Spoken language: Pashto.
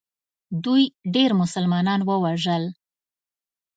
دوی ډېر مسلمانان ووژل.